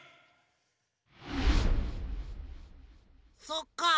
そっか。